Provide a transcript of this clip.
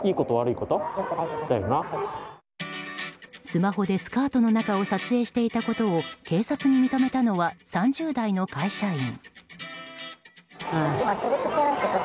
スマホでスカートの中を撮影していたことを警察に認めたのは３０代の会社員。